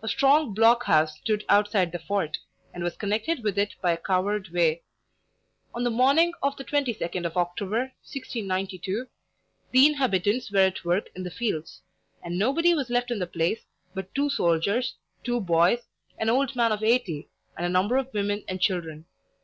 A strong block house stood outside the fort, and was connected with it by a covered way. On the morning of the twenty second of October, (1692) the inhabitants were at work in the fields, and nobody was left in the place but two soldiers, two boys, an old man of eighty, and a number of women and children.